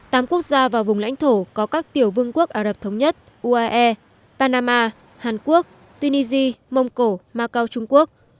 tám quốc gia và vùng lãnh thổ có các tiểu vương quốc ả rập thống nhất uae panama hàn quốc tunisia mông cổ macau trung quốc